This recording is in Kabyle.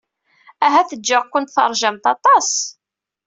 Ahat ǧǧiɣ-kent teṛjamt aṭas.